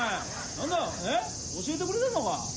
何だ⁉教えてくれてんのか。